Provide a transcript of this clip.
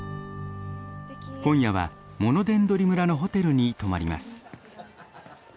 今夜はモノデンドリ村のホテルに泊まります。